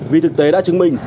vì thực tế đã chứng minh